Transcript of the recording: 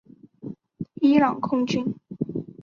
伊朗空军。